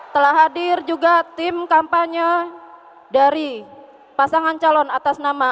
telah hadir juga tim kampanye dari pasangan calon atas nama